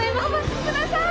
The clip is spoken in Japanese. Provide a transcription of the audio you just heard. お待ちください！